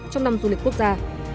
trong năm du lịch quốc gia